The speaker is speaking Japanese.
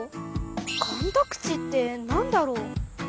「干拓地」って何だろう？